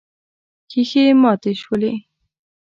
ښيښې ماتې شولې.